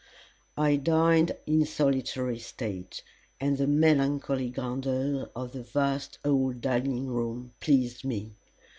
I dined in solitary state, and the melancholy grandeur of the vast old dining room pleased me.